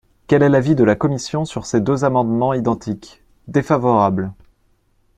Quel est l’avis de la commission sur ces deux amendements identiques ? Défavorable.